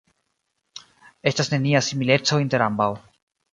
Estas nenia simileco inter ambaŭ.